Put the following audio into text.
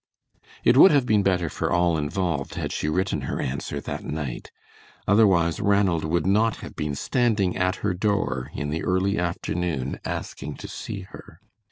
It would have been better for all involved had she written her answer that night; otherwise Ranald would not have been standing at her door in the early afternoon asking to see her.